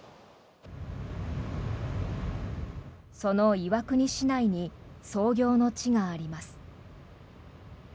その岩国市内に創業の地があります。